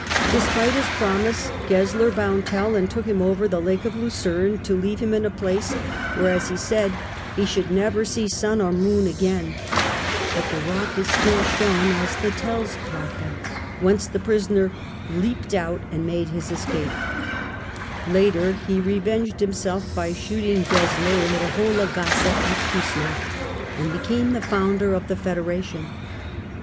Despite his promise, Gesler bound Tell, and took him over the Lake of Lucerne, to leave him in a place where, as he said, he should never see sun nor moon again ; but the rock is still shown at the Tellsplatte, whence the prisoner leapt out and made his escape : later he revenged him self by shooting Gesler in the Hohle Gasse at Kiissnacht, and became the founder of the Federation.